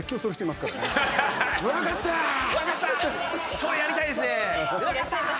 それやりたいですね。